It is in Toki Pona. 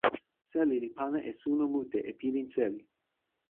seli li pana e suno mute e pilin seli.